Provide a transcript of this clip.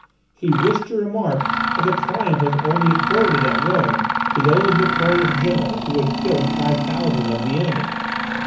He wished to remark that the triumph was only accorded at Rome to those victorious generals who had killed five thousand of the enemy.